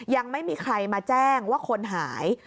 ยังไม่มีใครมาแจ้งว่าคนหาย